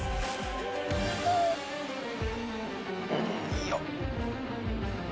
・いいよ。